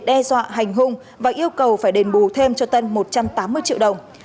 đe dọa hành hung và yêu cầu phải đền bù thêm cho tân một trăm tám mươi triệu đồng